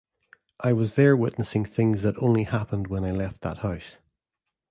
I was there witnessing things that only happened when I left that house.